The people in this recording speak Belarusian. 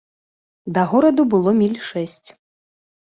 Да гораду было міль шэсць.